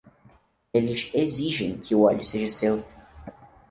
Eles exigem que o óleo seja seu.